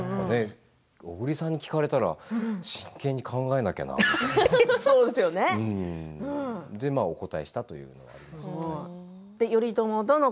小栗さんに聞かれたら真剣に考えなきゃなと思ってで、まあお答えしたというのもありますけれどもね。